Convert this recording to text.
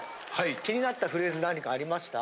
気になったフレーズ何かありました？